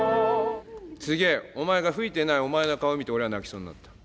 すげえお前が吹いてないお前の顔見て俺は泣きそうになった。